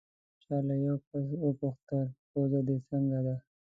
چا له یو کس وپوښتل: پوزه دې څنګه ده؟